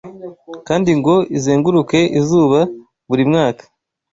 kandi ngo izenguruke izuba buri mwaka